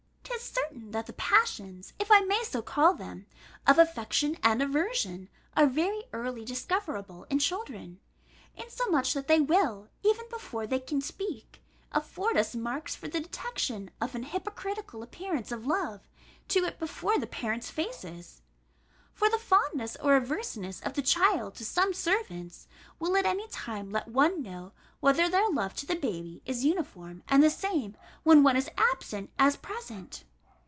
'Tis certain that the passions, if I may so call them, of affection and aversion, are very early discoverable in children; insomuch that they will, even before they can speak, afford us marks for the detection of an hypocritical appearance of love to it before the parents' faces. For the fondness or averseness of the child to some servants, will at any time let one know, whether their love to the baby is uniform and the same, when one is absent, as present.